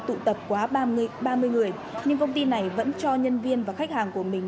tụ tập quá ba mươi người nhưng công ty này vẫn cho nhân viên và khách hàng của mình